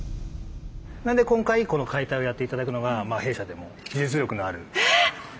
なんで今回この解体をやって頂くのは弊社でも技術力のあるオペレーター。